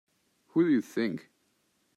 Who do you think?